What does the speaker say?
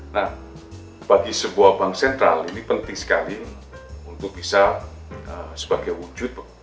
nah bagi sebuah bank sentral ini penting sekali untuk bisa sebagai wujud